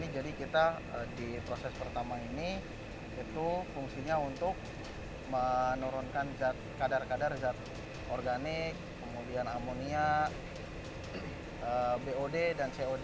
jadi kita di proses pertama ini itu fungsinya untuk menurunkan kadar kadar zat organik kemudian amonia bod dan cod